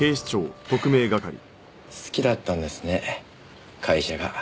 好きだったんですね会社が。